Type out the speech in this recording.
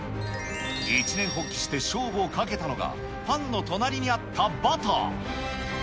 一念発起して勝負をかけたのが、パンの隣にあったバター。